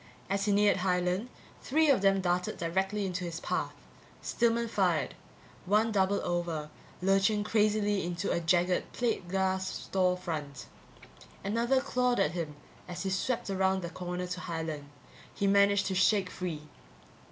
As he neared Highland, three of them darted directly into his path. Stillman fired. One doubled over, lurching crazily into a jagged plate glass store front. Another clawed at him as he swept around the corner to Highland. He managed to shake free.